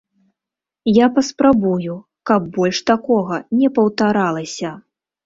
Я паспрабую, каб больш такога не паўтаралася.